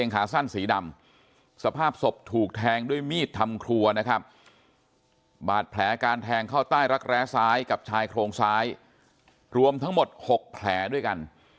ขาสั้นสีดำสภาพศพถูกแทงด้วยมีดทำครัวนะครับบาดแผลการแทงเข้าใต้รักแร้ซ้ายกับชายโครงซ้ายรวมทั้งหมด๖แผลด้วยกัน